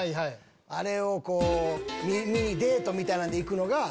あれを見にデートみたいなんで行くのが。